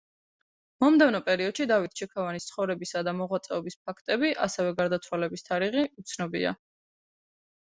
მომდევნო პერიოდში დავით ჩიქოვანის ცხოვრებისა და მოღვაწეობის ფაქტები, ასევე გარდაცვალების თარიღი უცნობია.